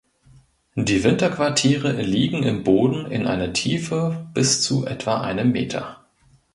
Die Winterquartiere liegen im Boden in einer Tiefe bis zu etwa einem Meter.